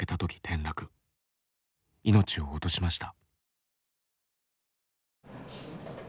いのちを落としました。